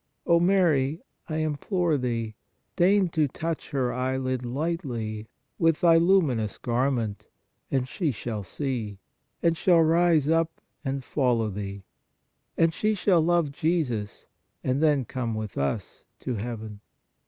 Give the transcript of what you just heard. O Mary, I implore thee, deign to touch her eye lid lightly with thy luminous garment, and she shall see, and shall rise up and follow thee ; and she shall love Jesus and then come with us to heaven."